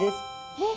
えっ。